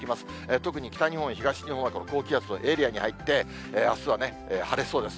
特に北日本、東日本は高気圧のエリアに入って、あすは晴れそうです。